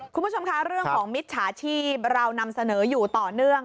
คุณผู้ชมคะเรื่องของมิจฉาชีพเรานำเสนออยู่ต่อเนื่อง